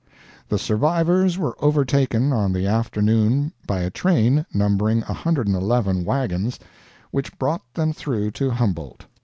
The survivors were overtaken on the afternoon by a train numbering 111 wagons, which brought them through to Humboldt.